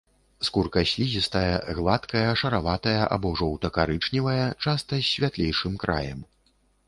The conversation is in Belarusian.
Скурка слізістая, гладкая, шараватая або жоўта-карычневая, часта з святлейшым краем.